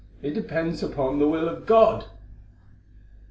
"It depends upon the will of God."